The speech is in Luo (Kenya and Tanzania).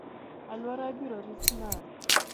Aluora ibiro rit nade?